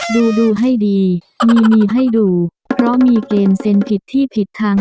ดูดูให้ดีมีมีให้ดูเพราะมีเกณฑ์เซ็นผิดที่ผิดทาง